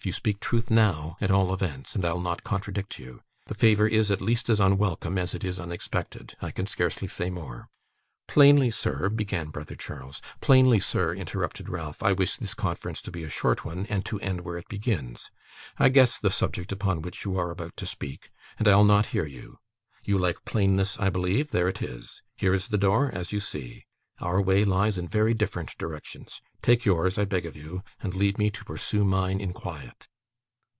'You speak truth now, at all events, and I'll not contradict you. The favour is, at least, as unwelcome as it is unexpected. I can scarcely say more.' 'Plainly, sir ' began brother Charles. 'Plainly, sir,' interrupted Ralph, 'I wish this conference to be a short one, and to end where it begins. I guess the subject upon which you are about to speak, and I'll not hear you. You like plainness, I believe; there it is. Here is the door as you see. Our way lies in very different directions. Take yours, I beg of you, and leave me to pursue mine in quiet.